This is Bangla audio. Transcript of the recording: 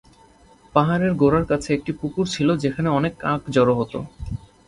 পাহাড়ের গোড়ার কাছে একটি পুকুর ছিল যেখানে অনেক কাক জড়ো হতো।